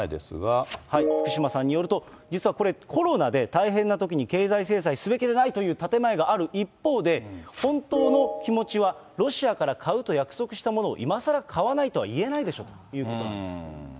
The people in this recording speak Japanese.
福島さんによると、実はこれ、コロナで大変なときに経済制裁すべきでないという建て前がある一方で、本当の気持ちは、ロシアから買うと約束したものを今さら買わないとは言えないでし